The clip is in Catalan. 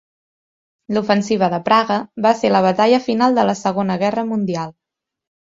L'Ofensiva de Praga va ser la batalla final de la Segona Guerra Mundial.